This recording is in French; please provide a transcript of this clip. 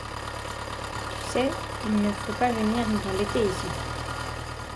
Tu sais, il ne faut pas venir nous embêter, ici.